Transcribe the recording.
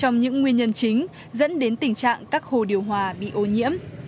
trong những nguyên nhân chính dẫn đến tình trạng các hồ điều hòa bị ô nhiễm